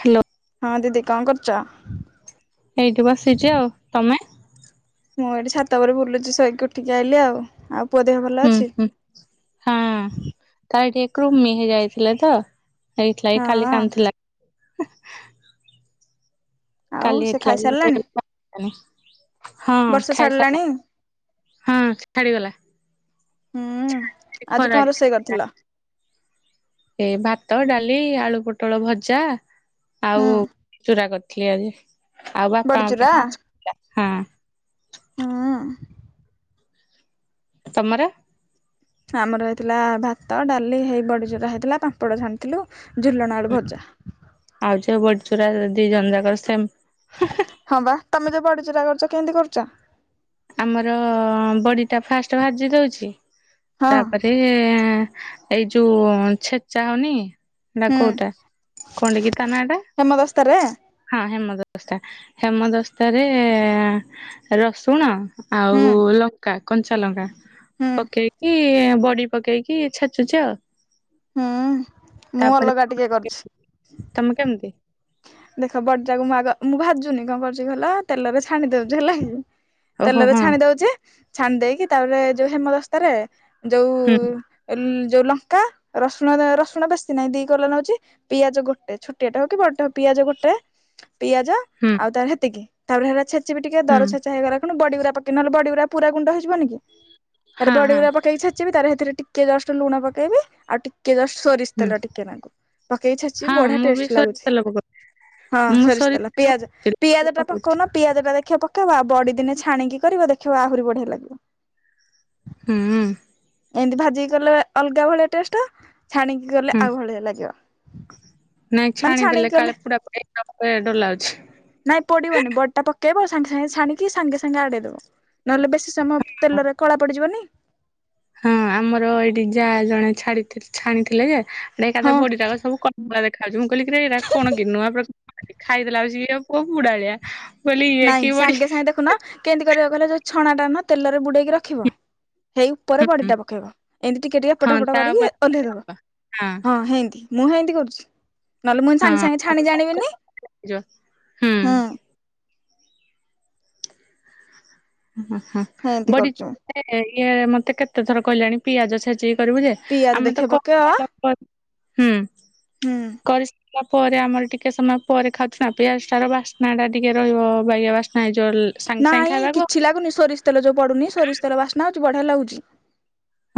Hello. ହଁ ଦିଦି କଣ କରୁଚ? ଏଇଟି ବସିଚି ଆଉ, ତମେ? ମୁଁ ଏଇଠି ଛାତ ଉପରେ ବୁଲୁଚି ଶୋଇକି ଉଠିକି ଆଇଲି ଆଉ, ଆଉ ପୁଅ ଦେହ ଭଲ ହୁଁ, ଅଛି? ହୁଁ, ହଁ [unintelligible] ମିିହେ ଯାଇଥିଲେ ତ, ହେଇଥିଲା ହଁ କି କାଲି କାନ୍ଦୁଥିଲା। ଆଉ କାଲି ସେ ହେଇଥିଲା ଖାଇସାରିଲାଣି? ବଳେ, ହଁ ବର୍ଷା ଛାଡିଲାଣି? ଖାଇସାରିଲା। ହଁ ଛାଡିଗଲା, ହୁଁ। ଆଜି କଣ ଖରା ରୋଷେଇ କରିଥିଲ? ଏ ଭାତ, ଡାଲି, ଆଳୁ ପୋଟଳ ଭଜା, ହୁଁ ଆଉ ଚୁରା କ [unintelligible] ଆାଜି। ବଡ଼ିଚୁରା ହୁଁ, ତମର? ଆମର ହେଇଥିଲା ଭାତ, ଡାଲି ହେଇ ବଡ଼ିଚୁରା ହେଇଥିଲା। ପାମ୍ପଡ଼ ଛାଣିଥିଲୁ। ଝୁଲଣ ଆଳୁ ଭଜା ଆଳୁ ଚପ ବଡି ଚୁରା ଦି ଜନଜାକର ସେମ। ହଁ ବା ତମେ ଯୋଉ ବଡିଚୁରା କରୁଛ କେମିତି କରୁଛ? ଆମର ବଡିଟା ଫାଷ୍ଟ ଭାଜି ଦଉଛି ହଁ ତାପରେ, ସିଏ ଏଇ ଯୋଉ ଛେଚା ହଉନି? ନା ହୁଁ କଉଟା, କଉଟାକିତା ନା ଟା? ହେମଦସ୍ତାରେ? ହଁ ହେମଦସ୍ତା ହେମଦସ୍ତାରେ ରସୁଣ, ହୁଁ ଆଉ ଲଙ୍କା କଞ୍ଚା ଲଙ୍କା ହୁଁ ପକେଇକି ବଡି ପକେଇକି ଛେଚୁଛି ଆଉ। ହୁଁ। ମୁଁ ତାପରେ ଅଲଗା ଟିକେ କରୁଛି। [unintelligible] ତମେ କେମିତି? ଦେଖ ବଡିଟାକୁ ମୁଁ ଆଗ ମୁଁ ଭାଜୁନି କଣ କରୁଛି କହିଲ ତେଲରେ ଛାଣି ଦଉଛି ହେଲାକି। ଓହୋ ତେଲରେ ହଁ ଛାଣି ଦଉଛି ଛାଣି ଦେଇକି ତାପରେ ଯୋଉ ହେମଦସ୍ତାରେ ଯୋଉ ହୁଁ ଯୋଉ ଲଙ୍କା ରସୁଣ ରସୁଣ ବେଶୀ ନାହିଁ ଦି କଲା ନଉଛି। ପିଆଜ ଗୋଟେ ଛୋଟିଆଟା ହଉ କି ବଡ଼ଟା ହଉ ପିଆଜ ଗୋଟେ ପିଆଜ ହୁଁ। ତାପରେ ହେତିକି ତାପରେ ହେତା ଛେଚିବି ଟିକେ ହୁଁ ଦର ଛେଚା ହେଇଗଲାଣ ଖେରୁ ବଡିଗୁରା ପକେଇବି ନେଲେ ବଡିଗୁରା ପୁର ଗୁଣ୍ଡ ହେଇଯିବନି କି? ତାର ହଁ ହଁ ବଡିଗୁୁରା ପକେଇକି ଛାଚିବି ତାର ସେଥିରେ ଟିକେ ଜଷ୍ଟ ଲୁଣ ପକେଇବି ଆଉ ଟିକେ ଟିକେ ଜଷ୍ଟ ସୋରିଷ ହୁଁ ତେଲ ଟିକେନାଙ୍କୁ ପକେଇ ଛେଚିବି ହଁ ବଢିଆ ମୁଁ ବି ଟେଷ୍ଟ ସୋରିଷ ଲାଗୁଛି। ତେଲ ପକଉଛି ହଁ ମୁଁ ସରିଷ ସୋରିଷ ତେଲ ପିଆଜ ପକଉଛି ପିଆଜ ଟା ପକଉଛି ପକଉନ ପିଆଜଟା ଦେଖିବ ପକେଇବା ଆଉ ବଡିଦିନେ ଛାଣିକି କରିବ ଦେଖିବ ଆହୁରି ବଢିଆ ଲାଗିବ। ହୁଁ। ଏମିତି ଭାଜିକି କଲେ ଅଲଗା ଭଳିଆ ଟେଷ୍ଟ ଛାଣିକି କଲେ ହୁଁ ଆଉ ଭଳିଆ ଲାଗିବ। ନାଇଁ ମାନେ ଛାଣିକି ଛାଣିଦେଲେ କଲେ କାଳେ ପୁଡ଼ା ପୁଡ଼ି ମୋତେ ଡର ନାଇଁ ଲାଗୁଛି। ପୋଡିବନି ବଡିଟା ପକେଇବ ସାଙ୍ଗେ ସାଙ୍ଗେ ଛାଣିକି ସାଙ୍ଗେ ସାଙ୍ଗେ ଆଡ଼େଇଦେବ ନହେଲେ ବେଶୀ ସମୟ ତେଲରେ କଳା ପଡ଼ିଯିବନି? ହଁ ଆମର ଏଇଠି ଯା ଜଣେ ଛାଡି ଛାଣିଥିଲେ ଯେ ହଁ ଏକାଥରେ ବଡିଟାକ ସବୁ ଦେଖାଯାଉଛି ମୁ କହିଲି କିରେ ଏରା କଣ କି ନୂଆ ପ୍ରସ୍ତୁତି [unintelligible] ଖାଇଦେଲା ଲାଗୁଛି କଣ ପୁଡ଼ାଳିଆ। ମୁଁ କହିଲି ଇଏ ନାଇଁ କି ବଡି? ସାଙ୍ଗେ ସାଙ୍ଗେ ଦେଖୁନ କେମିତି କରିବ କହିଲ ଯେୋଉ ଛଣାଟା ନା ତେଲରେ ବୁଡ଼େଇକି ରଖିବ। ହେଇ ଉପରେ ବଡିଟା ପକେଇବ ଏମିତି ଟିକେ ଟିକେ ଏପଟ ହଁ ସେପଟ କରିକି ତାପରେ କହିଲି ଓହ୍ଲେଇଦବ ହଁ ହେମିତି। ମୁଁ ସେମିତି କରୁଛି ନହେଲେ ମୁଁ ସାଙ୍ଗେ ସାଙ୍ଗେ ହଁ ଛାଣି ଜାଣିବିନି ହୁଁ। ହଁ ହଁ ହେନ୍ତି ବଡି କରୁଛୁ ଏ ଇଏ ମୋତେ କେତେ ଥର କହିଲେଣି ପିଆଜ ଛେଚିକି କରିବୁ ଯେ ପିଆଜ ଆମେ ତ ଦେଖେ [unintelligible] ପକେଇବ ହୁଁ କରି ହୁଁ କରିସାରିଲାପରେ ଆମର ଟିକେ ସମୟ ପରେ ଖାଉଛୁ ନା ପିଆଜଟା ର ବାସ୍ନାଟା ଟିକେ ରହିବ ଅବାଗିଆ ବାସ୍ନା। ନାଇଁ ଜଲ୍ ନାଇଁ କିଛି ଲାଗୁନି ସରିଷ ତେଲ ଯୋଉ ପଡୁନି ସରିଷ ତେଲ ବାସ୍ନା ହଉଛି ବଢିଆ ଲାଗୁଛି।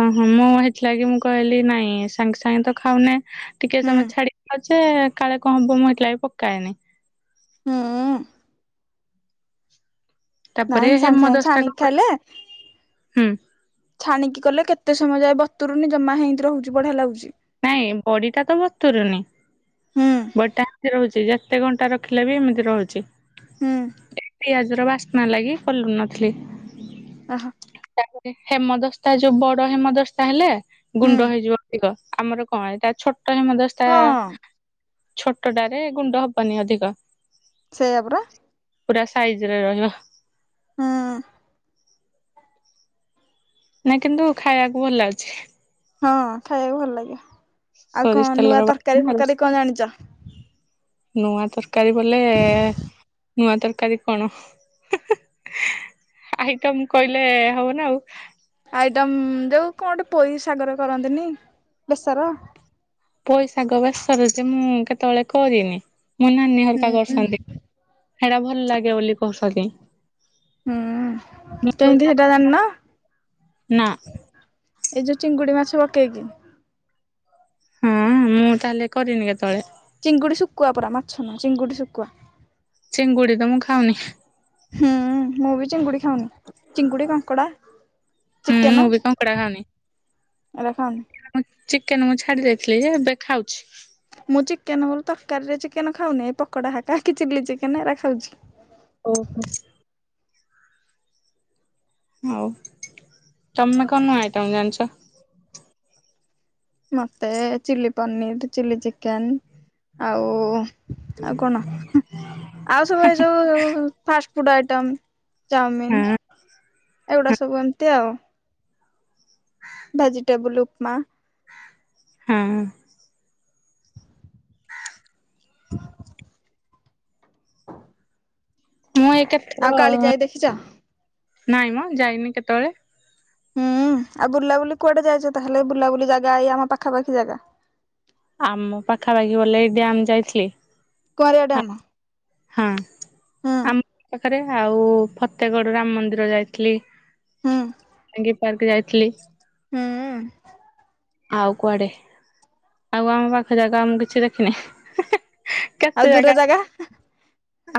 ଓହୋ ମୁଁ ହେଇଥିଲାଗୁ ମୁଁ କହିଲି ନାଇଁ ସାଙ୍ଗେ ସାଙ୍ଗେ ତ ଖାଉନେ ଟିକେ ହୁଁ ସମୟ ଛାଡି ଖାଉଛେ। ସେ କାଳେ କଣ ହବ ମୁଁ ଏଇଥି ଲାଗି ପକାଏନି। ହୁଁ। ତାପରେ ନାଇଁ ସାଙ୍ଗେ ସାଙ୍ଗେ ହେମଦସ୍ତା କ ଛାଣିକି ଖାଇଲେ। ହୁଁ ଛାଣିକି କଲେ କେତେ ସମୟ ଯାଏ ବତୁରୁନି ଜମା ହେନ୍ତି ରହୁଛି ବଢିଆ ଲାଗୁଛି। ନାଇଁ ବଡ଼ିଟା ତ ବତୁରେନି। ହୁଁ ବଡିଟା ହେମିତି ରହୁଛି ଯେତେ ଘଣ୍ଟା ରଖିଲେ ବି ଏମିତି ରହୁଛି। ହୁଁ ଏ ପିଆଜ ର ବାସ୍ନା ଲାଗି ଖୋଲୁ ନଥିଲି। ଓହ। ତାପରେ ହେମଦସ୍ତା ଯୋଉ ବଡ ହେମଦସ୍ତା ହେଲେ ହୁଁ ଗୁଣ୍ଡ ହେଇଯିବ ଅଧିକ। ଆମର କଣ ଏଟା ଛୋଟ ହେମଦସ୍ତା। ହଁ ଛୋଟଟାରେ ଗୁଣ୍ଡ ହବନି ଅଧିକ। ସେଇଆ ପରା। ପୁରା ସାଇଜରେ ରହିବ। ହୁଁ। ନାଇଁ କିନ୍ତୁ ଖାଇବାକୁ ଭଲ ଲାଗୁଛି। ହଁ ଖାଇବାକୁ ଭଲ ଲାଗେ ଆଉ ସୋରିଷ କଣ ନୂଆ ତେଲର ତରକାରୀ ବାସ୍ନା ଫରକାରୀ କଣ ଜାଣିଛ? ନୂଆ ତରକାରୀ ବୋଲେ ନୂଆ ତରକାରୀ କଣ ଆଇଟମ୍ କହିଲେ ହବନା ଆଉ। ଆଇଟମ ଯୋଉ କଣ ଗୋଟେ ପୋଇ ସାଗର କରନ୍ତିନି ବେସର? ପୋଇ ଶାଗ ବେଷର ଯେ ମୁଁ କେତେବେଳେ କରିନି ମୋ ନାନୀ ହୁଁ ହରିକା ହୁଁ କରୁସନ୍ତି। ହେରା ଭଲ ଲାଗେ ବୋଲି କହୁଛନ୍ତି। ହୁଁ ମୁଁ ପୋଇ କେମିତି ଶାଗ ହେଟା ଜାଣିିନ? ନା ଏଇ ଯୋଉ ଚିଙ୍ଗୁଡ଼ି ମାଛ ପକେଇକି। ହଁ ମୁଁ ତାହେଲେ କରିନି କେତେବେଳେ। ଚିଙ୍ଗୁଡି ଶୁକୁଆ ପରା ମାଛ ନୁହୁଁ ଚିଙ୍ଗୁଡି ଶୁକୁଆ। ଚିଙ୍ଗୁଡ଼ି ତ ମୁଁ ଖାଉନି। ହୁଁ ମୁଁ ବି ଚିଙ୍ଗୁଡି ଖାଉନି ଚିଙ୍ଗୁଡି କଙ୍କଡା। ହୁଁ ମୁଁ ଚିକେନ ବି କଙ୍କଡା ଖାଉନି। ଏରା ଖାଉନି। ଚିକେନ ମୁଁ ଛାଡି ଦେଇଥିଲି ଯେ ଏବେ ଖାଉଛି। ମୁଁ ଚିକେନ କଲେ ତରକାରୀରେ ଚିକେନ ଖାଉନି ଏଇ ପକଡା ହକା କି ଚିଲି ଚିକେନ ଏରା ଖାଉଛି। ଓହୋ। ହଉ ତମେ କଣ ନୂଆ ଆଇଟମ ଜାଣିଛ? ମତେ ଚିଲିପନିର ଚିଲି ଚିକେନ ଆଉ ଆଉ କଣ ଆଉ ସବୁ ଏ ଯଉ ଫାଷ୍ଟ ଫୁଡ ଆଇଟମ୍। ଚାଉମିିନ ହଁ ଏଗୁଡା ସବୁ ଏମିତି ଆଉ। ଭେଜିଟେବଲ ଉପ ମା। ହଁ। ହ ମୁଁ ଏ କେ ଆଉ କାଳିଜାଇ ଦେଖିଛ? ନାଇଁ ମ ଯାଇନି କେତେବେଳେ। ହୁଁ ଆଉ ବୁଲାବୁଲି କୁଆଡେ ଯାଇଛ ତାହେଲେ ବୁଲାବୁଲି ଜାଗା ଏଇ ଆମ ପାଖାପାଖି ଜାଗା। ଆମ ପାଖାପାଖି ବଲେ ଏଇ ଡ୍ୟାମ୍ ଯାଇଥିଲି। କରୋ ଡାମା। ହଁ ଆମ ପାଖରେ ଆଉ ଫତେଗଡ ରାମ ମନ୍ଦିର ଯାଇଥିଲି। ହୁଁ ଆଙ୍ଗେ ପାର୍କ ଯାଇଥିଲି। ହୁଁ ଉଁ। ଆଉ କୁଆଡେ ଆଉ ଆମ ପାଖ ଯାଗା ଆଉ ମୁଁ କିଛି ଦେଖିନି। ଆଉ କେତେ ଦୂର ଜାଗା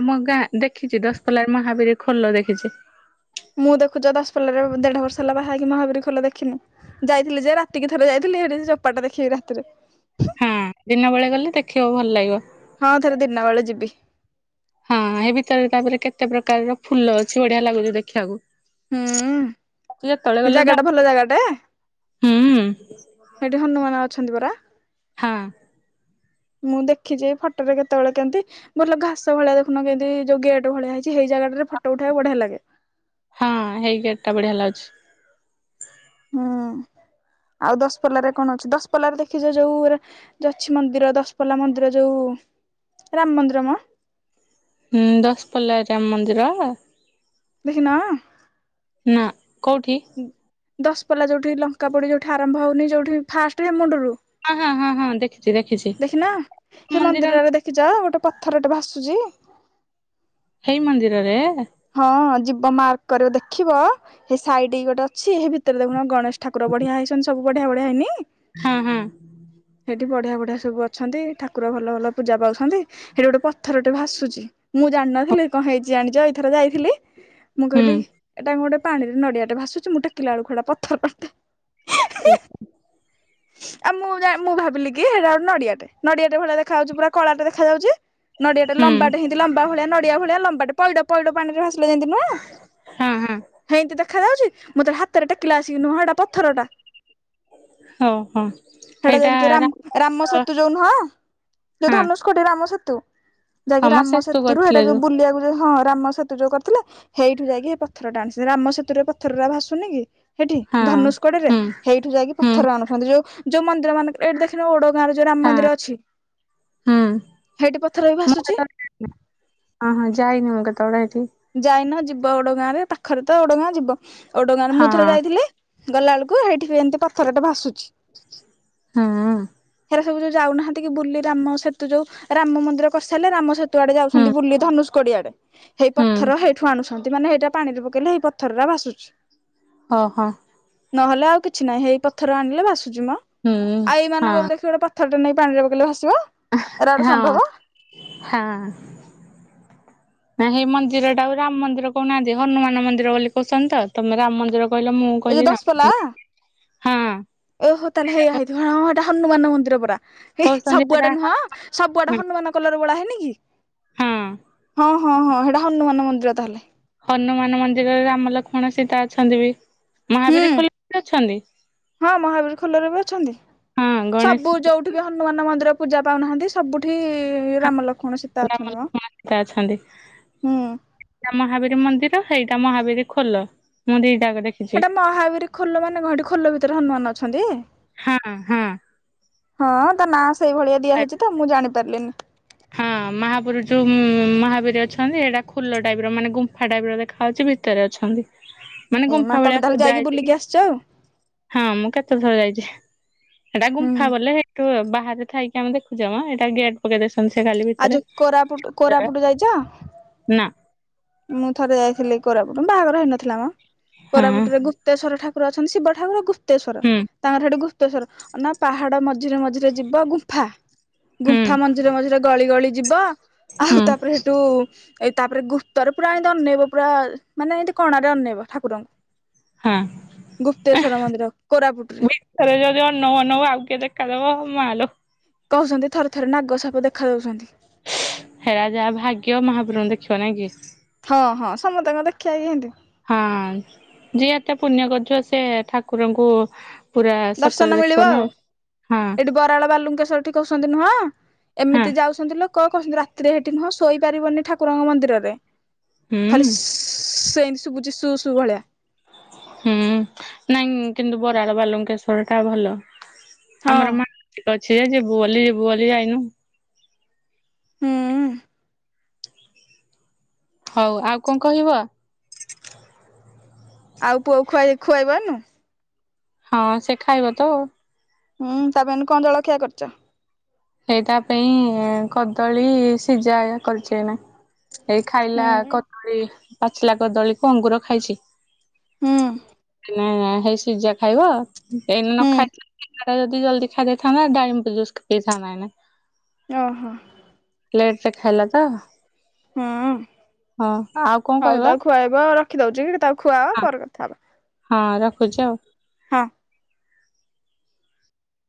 ଆମ ଗାଁ ଦେଖିଛି ଦଶ ପଲାର ମହାବୀର ଖୋଲ ଦେଖିଛି। ମୁଁ ଦେଖୁଛ ଦଶପଲାରେ ଦେଢ ବର୍ଷ ହେଲା ବାହା ହେଇକି ମହାବୀର ଖୋଲ ଦେଖିନି। ଯାଇଥିଲି ଯେ ରାତିକି ଥରେ ଯାଇଥିଲି ହେଠି ଚୋପାଟା ଦେଖିବି ରାତିରେ। ହଁ। ଦିନ ବେଳେ ଗଲେ ଦେଖିବାକୁ ଭଲ ଲାଗିବ। ହଁ ଥରେ ଦିନ ବେଳେ ଯିବି। ହଁ, ଏ ଭିତରେ ତାପରେ କେତେ ପ୍ରକାରର ଫୁଲ ଅଛି ବଢିଆ ଲାଗୁଛି ଦେଖିବାକୁ। ହଁ। ଯେତେବେଳେ ସେ ଗଲେ ଡା ଜାଗାଟା ଭଲ ଜାଗାଟା। ହୁଁ ସେଇଠି ହନୁମାନ ଅଛନ୍ତି ପରା। ହଁ। ମୁଁ ଦେଖିଛି ଏଇ ଫଟୋରେ କେତେବେଳେ କେମିତି? ମୋରଲ୍ ଘାସ ଭଳିଆ ଦେଖୁନ କେଏନ୍ତି ଯୋଉ ଗେଟ୍ ଭଳିଆ ହେଇଚି। ସେଇ ଜାଗାଟାରେ ଫଟୋ ଉଠେଇବାକୁ ବଢିଆ ଲାଗେ। ହଁ ହେଇ ଗେଟ୍ ଟା ବଢିଆ ଲାଗୁଚି। ହୁଁ ଆଉ ଦଶପଲ୍ଲାରେ କଣ ଅଛି? ଦଶପଲ୍ଲାରେ ଦେଖିଛ ଯୋଉ ଯୋଉ ଅଛି ମନ୍ଦିର, ଦଶପଲ୍ଲା ମନ୍ଦିର, ଯୋଉ ରାମ ମନ୍ଦିର ମ। ହଁ ଦଶପଲ୍ଲା ରାମ ମନ୍ଦିର। ଦେଖିନ। ନା କୋଉଠି? ଦଶପଲ୍ଲା ଯୋଉଠି, ଲଙ୍କା ପୋଡି ଯୋଉଠି, ଆରମ୍ଭ ହଉନି ଯୋଉଠି, ଫାଷ୍ଟ ହେ ମୁଣ୍ଡରୁ ହଁ ହଁ ହଁ ହଁ ଦେଖିଛି ଦେଖିଛି ଦେଖିନା। ସେ ମନ୍ଦିର ମନ୍ଦିରରେ ଦେ ଦେଖିଚ ଗୋଟେ ପଥରଟେ ଭାୁସୁଛି। ହେଇ ମନ୍ଦିରରେ। ହଁ ଯିବ ମାର୍କ କରିବ ଦେଖିବ, ସେ ସାଇଡିକି ଗୋଟେ ଅଛି। ସେ ଭିତରେ ଦେଖୁନ ଗଣେଶ ଠାକୁର ବଢିଆ ହେଇଚନ୍ତି। ସବୁ ବଢିଆ ବଢିଆ ହେଇନି। ହଁ ହଁ। ସେଠି ବଢିଆ ବଢିଆ ସବୁ ଅଛନ୍ତି। ଠାକୁର ଭଲ ଭଲ ପୂଜା ପାଉଛନ୍ତି। ସେଠି ଗୋଟେ ପଥରଟେ ଭାସୁଚି। ମୁଁ ଜାଣିନଥିଲି କଣ ହେଇଚି। ଜାଣିଚ ଏଇଥର ଯାଇଥିଲି ମୁଁ ହୁଁ କହିଲି ଏଇଟା କଣ ଗୋଟେ ପାଣିରେ ନଡିଆଟେ ଭାସୁଛି। ମୁଁ ଟେକିଲା ବେଳକୁ ପଥର ଟା। [inaudible] ଆଉ ମୁଁ ଜା-ମୁଁ ଭାବିଲି କି ସେଇଟା ଗୋଟ ନଡିଆଟେ। ନଡିଆଟେ ଭଳିଆ ଦେଖାଯାଉଚି ପୁରା କଳାଟେ ଦେଖାଯାଉଚି। ନଡିଆ ଟା ହୁଁ ଲମ୍ବାଟା ହେଏନ୍ତି ଲମ୍ବା ଭଳିଆ ନଡିଆ ଭଳିଆ ଲମ୍ବାଟେ ପଇଡ। ପଇଡ ପାଣିରେ ଭାସିଲେ ଯେମିତି ନୁହଁ ହଁ ହଁ ହେଏନ୍ତି ଦେଖାଯାଉଛି। ମୁଁ ତାକୁ ହାତରେ ଟେକିଲା ଆସିକି ନୁହଁ, ଏଟା ପଥର ଟା। ହଁ ହଁ। ସେଟା ସେଇଟା ଯାଇକି ଯୋଉ ରାମ ରାମ୍-ରାମସେତୁ ଯୋଉ ନୁହଁ, ଯୋଉ ହଁ ଧନୁଷ୍କଟି ରାମସେତୁ ହଁ ଯାହାକି ମ ସେତୁ ରାମସେତରୁ ଏଇଟା କରିଥିଲେ ଯୋଉ ବୁଲିବାକୁ ଯାଏ, ହଁ ରାମସେ ତୁ ଯୋଉ କରିଥିଲେ। ସେଇଠୁ ଯାଇକି ସେ ପଥରଟା ଆଣି ରାମ ସେତୁରେ ପଥର ଗୁଡା ଭାସୁନି କି ସେଇଠି ହଁ ଧନୁଷ୍କଡରେ ହୁଁ ସେଇଠୁ ଯାଇକି ହୁଁ ପଥର ଆଣୁଥାନ୍ତି ଯୋଉ। ଯୋଉ ମନ୍ଦିର ମାନ ଏଇଠି ଦେଖିନ ଓଡ ଗାଁ ର ଯୋଉ ରାମ ହଁ ମନ୍ଦିର ଅଛି। ସେଇଠି ପଥର ବି ଭାସୁଛି। ଅ ହଁ ଯାଇନି ମୁଁ କେତବଳେ ଏଠି। ଯାଇନ ଯିବ ଓଡ ଗାଁରେ ପାଖରେ ତ ଓଡ ଗାଁ ଯିବ। ଓଡ ଗାଁ ରେ ମୁଁ ଥରେ ହଁ ଯାଇଥିଲି। ଗଲାବେଳକୁ ହେଇଠି ବି ଏମିତି ପଥରଟେ ଭାସୁଛି। ହୁଁ। ପାଖରେ ସବୁ ଯୋଉ ଯାଉନାହାନ୍ତି କି ବୁଲି ରାମସେତୁ ଯୋଉ, ରାମ ମନ୍ଦିର କରିସାରଲେ, ରାମସେତୁ ତୁ ଆଡେ ହୁଁ ଯାଉଛନ୍ତି ବୁଲି ଧନୁସ୍କଡି ଆଡେ ହେଇ ହୁଁ ପଥର ସେଇଠୁ ଆଣୁଛନ୍ତି ମାନେ ଏଇଟା ପାଣିରେ ପକେଇଲେ, ଏଇ ପଥରଟା ଭସୁଛି। ଓ ହଁ। ନହେଲେ ଆଉ କିଛି ନାହିଁ ହେଇ ପଥର ଆଣିଲେ ଭାସୁଛି ମ। ହୁଁ ଆଉ ଏଇ ହଁ ମାନଙ୍କର ଦେଖିବ ଗୋଟେ ପ ଥରଟେ ନେଇ ପାଣିରେ ପକଇଲେ ଭାସିବ। ଏରା ଗୋଟେ ହଁ। ସମ୍ଭବ ହଁ। [unintelligible] ନା ସେଇ ମନ୍ଦିର ଟା ଆଉ ରାମ ମନ୍ଦିର କହୁନାହାନ୍ତି ହନୁମାନ ମନ୍ଦିର ବୋଲି କହୁଛନ୍ତି ତମେ ରାମ ମନ୍ଦିର କହିଲ ମୁଁ ଏଇ ଯ କହିଲି ରାମ ଦଶ ପଲା ହଁ ଓହୋ ତାହେଲେ ହେଇଥିବ ହଁ ଏଇଟା ହନୁମାନ ମନ୍ଦିର ପୁରା ଏ କହୁଛନ୍ତି ସବୁଆଡେ ସେଟା ନୁହଁ ସବୁଆଡେ ହନୁମାନ କଲର ଭଳା ହେନି କି? ହଁ ହଁ ହଁ ହଁ ହେଟା ହନୁମାନ ମନ୍ଦିର ତାହେଲେ ହନୁମାନ ମନ୍ଦିରରେ ରାମ ଲକ୍ଷ୍ମଣ ସୀତା ଅଛନ୍ତି ବି ହୁଁ ମହାବୀର ଖୋଲରେ ଅଛନ୍ତି ହଁ ମହାବୀର ଖୋଲରେ ବି ଅଛନ୍ତି। ହଁ ସବୁ ଗଣେଶ ଯୋଉଠି ବି ହନୁମାନ ମନ୍ଦିର ପୂଜା ପାଉନାହାନ୍ତି ସବୁଠି ରାମ ଲକ୍ଷ୍ମଣ ସେ ରାମ ଲକ୍ଷ୍ମଣ ସୀତା ଅଛନ୍ତି ହୁଁ ସେଇଟା ମହାବୀର ମନ୍ଦିର ସେଇଟା ମହାବୀର ଖୋଲ ମୁଁ ଦିଟା ଦେଖି ସେଇଟା ମହାବୀର ଖୋଲ ମାନେ ଖୋଲ ଭିତରେ ହନୁମାନ ଅଛନ୍ତି। ହଁ ହଁ। ହଁ ତା ନାଁ ସେଇଭଳିଆ ଦିଆ ହେଇଛି ତ ମୁଁ ଜାଣି ପାରିଲିନି। ମହାବୀର ଯୋଉ ମହାବୀର ଅଛନ୍ତି ଏଇଟା ଖୁଲ ଟାଇପ ର ମାନେ ଗୁମ୍ଫା ଟାଇପ ର ଦେଖାହେଉଛି ଭିତରେ ଅଛନ୍ତି। ମାନେ ଏଇ ଗୁମ୍ଫା ମା ଭଳିଆ ତମେ ତାହେଲେ ସଜା ଯାଇକି ହେଇଛି ବୁଲିକି ଆସିଛ ଆଉ? ହଁ ମୁଁ କେତେ ଥର ଯାଇଛି ସେଟା ହୁଁ ଗୁମ୍ଫା ବଲେ ହେଇ ତୁ ବାହାରେଥାଇକି ଆମେ ଦେଖୁଚେ ମ ଏଟା ଗେଟ [unintelligible] ଆଉ ଯୋଉ କୋରାପୁଟ କୋରାପୁଟ ଯାଇଛ? ନା ମୁଁ ଥରେ ଯାଇଥିଲି କୋରାପୁଟ ବାହାଘର ହେଇନଥିଲା ମ ହଁ କୋରାପୁଟରେ ପ୍ତେଶ୍ୱର ଠାକୁର ଅଛନ୍ତି ଶିବଠାକୁର ଗୁପ୍ତେଶ୍ୱର ହୁଁ ତାଙ୍କର ସେଠି ଗୁପତେଶଵର ନା ପାହାଡ ମଝିରେ ମଝିରେ। ଯିବ ଗୁମ୍ଫା ହୁଁ। ଗୁମ୍ଫା ମଞଝିରେ ମଝିରେ ଗଳି ଗଳି ଯିବ ଆଉ ହୁଁ। ତାପରେ ସେଠୁ ଏଇ ତାପରେ ଗୁପ୍ତର ପୁରା ଏମତି ଅନେଇବ ପୁରା ମାନେ ଏମିତି କଣାରେ ଅନେଇବ ଠାକୁରଙ୍କୁ ହଁ ଗୁପ୍ତେଶ୍ଵର ମନ୍ଦିର କୋରାପୁଟ ର ରେ ଯଦି ଅନାଉ ଅନାଉ ଆଉ କିଏ ଦେଖାଦବ ମାଲ କହୁଛନ୍ତି ଥରେ ଥରେ ନାଗ ସାପ ଦେଖା ଦଉଛନ୍ତି ହେରା ଯାହା ଭାଗ୍ୟ ମହାପ୍ରଭଣୁ ଦେଖିବ ନାଇଁ କି ହଁ ହଁ ସମସ୍ତଙ୍କ ଦେଖିବା କି ଏତି ହଁ ଯିଏ ଏତେ ପୁଣ୍ୟ କରୁଥିବ ସେ ଠାକୁରଙ୍କୁ ପୁରା ସତରେ ଦର୍ଶନ ଦେଖିବ ମିଳିବ ନା ଆଉ ହଁ ଏଠି ବରାଳ ବାଲୁଙ୍କେଶ୍ୱରଠି କହୁଛନ୍ତି ନୁହଁ ହଁ ଏମିତି ଯାଉ କହୁଛନ୍ତି ରାତିରେ ହେଇଠି ନୁହଁ ଶୋଇପାରିବନି ଠାକୁରଙ୍କ ମନ୍ଦିରରେ ହୁଁ ଖାଲି ସ୍ ସ୍ ସେଇନ୍ତି ଶୁଭୁଛିି ସୁ ସୁୁ ଭଳିଆ ହୁଁ ନାଇଁ କିନ୍ତୁ ବରାଳ ବାଲୁଙ୍କେଶ୍ଵର ଟା ଭଲ ହଁ ଆମର ମା ଅଛି ଯେ ଯିବୁଲି ଯିବୁ ବୋଲି ଯାଇନୁ ହୁଁ ହଉ ଆଉ କଣ କହିବ ଆଉ ପୁଅ ଖୁଆଇ ଖୁଆଇବନୁ ହଁ ସେ ଖାଇବ ତ ହୁଁ ତାପାଇଁ ଏଣୁ କଣ ଜଳଖିଆ କରିଛ? ସେଇଟା ପାଇଁ କଦଳୀ ସିଝା କରିଛ ନା ଏଇ ଖାଇଲା ହୁଁ କଦଳୀ ପାଚିଲା କଦଳୀକୁ ଅଙ୍ଗୁର ଖାଇଛି ହଁ ନା ହେଇ ସିଜା ଖାଇବ ଏଇନ ନ ହୁଁ ଖାଇ ଖା ଯଦି ଜଲଦିଇ ଦେଇଥାନ୍ ନା ଡାମ୍ ଜୁସ୍ ଥାନ୍ତା ଏଇନେ ଅହଁ। ଲେଟରେ ଖାଇଲା ତ ହୁଁ ହଁ ଆଉ କଣ ହଉ କହିବ ତାକୁ ଖୁଆଇବ ରଖି ଦଉଛି ତାକୁ ଖୁଆଅ ହଁ ପରେ କଥା ହବା। ହଁ ରଖୁଛି ଆଉ। ହଁ।